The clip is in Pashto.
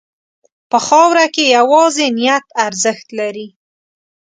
په خاوره کې یوازې نیت ارزښت لري.